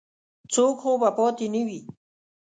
څوک خو به پاتې نه وي.